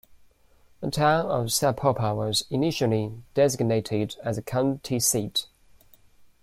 The town of Sapulpa was initially designated as the county seat.